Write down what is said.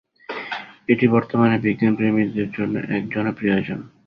এটি বর্তমানে বিজ্ঞান প্রেমীদের জন্য এক জনপ্রিয় আয়োজন।